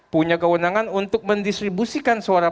punya kewenangan untuk mendistribusikan suara